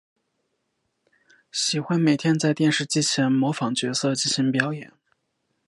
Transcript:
喜欢每天在电视机前模仿角色进行表演。